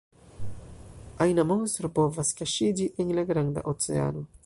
Ajna monstro povas kaŝiĝi en la granda oceano.